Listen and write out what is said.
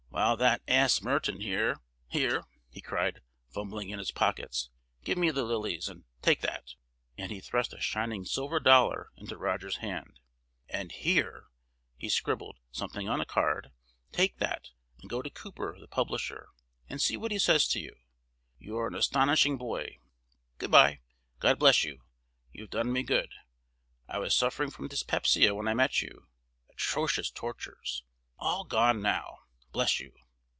While that ass Merton,—here! here!" he cried, fumbling in his pockets, "give me the lilies, and take that!" and he thrust a shining silver dollar into Roger's hand. "And here!" he scribbled something on a card, "take that, and go to Cooper, the publisher, and see what he says to you. You are an astonishing boy! Good by! God bless you! You have done me good. I was suffering from dyspepsia when I met you,—atrocious tortures! All gone now! Bless you!"